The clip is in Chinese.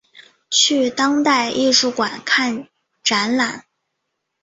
去当代艺术馆看展览